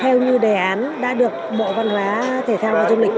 theo như đề án đã được bộ văn hóa thể thao và du lịch